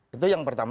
itu yang pertama